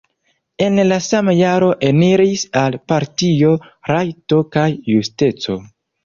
En la sama jaro eniris al partio Rajto kaj Justeco.